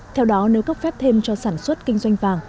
theo đó nếu cấp phép thêm cho sản xuất kinh doanh vàng